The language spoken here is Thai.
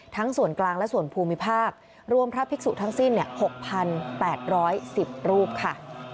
ทั้งส่วนกลางและส่วนภูมิภาครวมพระภิกษุทั้งสิ้น๖๘๑๐รูปค่ะ